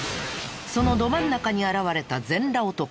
そのど真ん中に現れた全裸男。